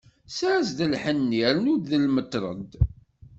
Sers-d lḥenni, rnu-d lmetred.